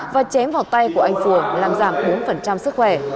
và chém vào tay của anh phùa làm giảm bốn sức khỏe